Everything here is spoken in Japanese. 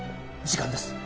時間です。